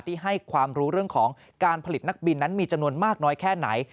ที่ให้ความรู้เรื่องของการผลิตนักบินนั้นมีจำนวนมากน้อยแค่ไหน